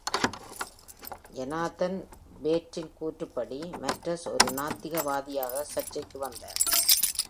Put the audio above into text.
Jonathan Bate-ன் கூற்றுப்படி, Matus ஒரு நாத்திகவாதியாக சர்ச்சைக்கு வந்தார்.